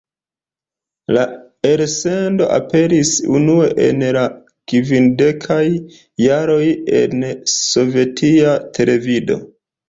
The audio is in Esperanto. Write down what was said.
La elsendo aperis unue en la kvindekaj jaroj en sovetia televido.